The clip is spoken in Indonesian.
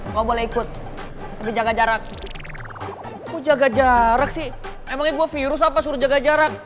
nggak boleh ikut tapi jaga jarak gue jaga jarak sih emangnya gue virus apa suruh jaga jarak